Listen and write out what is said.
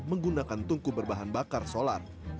menggunakan tungku berbahan bakar solar